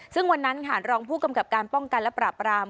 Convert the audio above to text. ซึ่งวันนั้นค่ะรองผู้กำกับการป้องกันและปราบราม